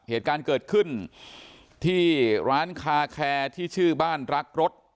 เหตุการณ์เกิดขึ้นที่ร้านคาแคร์ที่ชื่อบ้านรักรถ